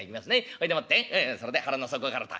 そいでもってそれで腹の底からと。